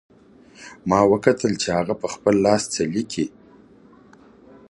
ما وکتل چې هغه په خپل لاس څه لیکي